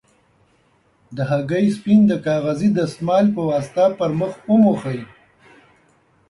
د هګۍ سپین د کاغذي دستمال په واسطه پر مخ وموښئ.